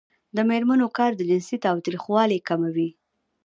د میرمنو کار د جنسي تاوتریخوالي کموي.